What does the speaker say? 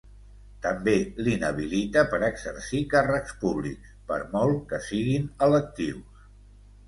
També l’inhabilita per exercir càrrecs públics ‘per molt que siguin electius’.